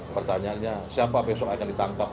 pertanyaannya siapa besok akan ditangkap